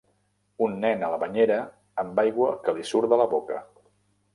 Un nen a la banyera amb aigua que li surt de la boca.